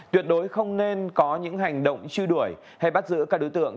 tuyệt đối không nên có những hành động truy đuổi hay bắt giữ các đối tượng